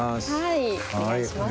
お願いします。